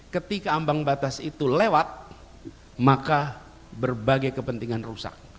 ketika ambang batas itu lewat maka berbagai kepentingan rusak